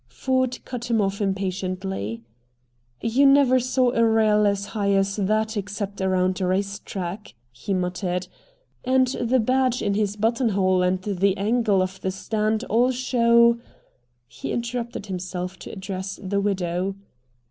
Ford cut him off impatiently. "You never saw a rail as high as that except around a racetrack," he muttered. "And the badge in his buttonhole and the angle of the stand all show " He interrupted himself to address the widow.